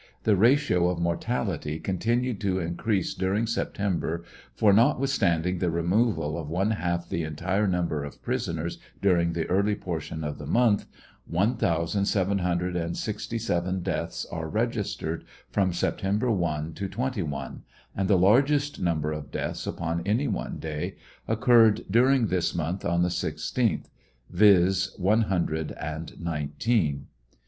The ratio of mortality continued to increase dur ing September, for notwithstanding the removal of one half the entire number of prisoners during the early portion of the month, one thousand seven hundred and sixty seven (1,767) deaths are reg istered from September 1 to 21, and the largest number of deaths upon any one day occurred during this month, on the 16th, viz : one hundred and nineteen.